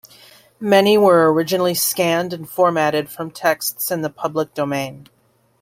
Many were originally scanned and formatted from texts in the Public Domain.